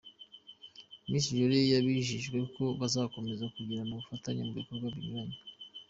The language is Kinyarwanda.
Miss Jolly yabijeje ko bazakomeza kugirana ubufatanye mu bikorwa binyuranye.